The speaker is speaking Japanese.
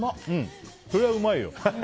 そりゃうまいよ。